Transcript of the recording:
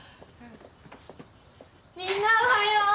みんなおはよう！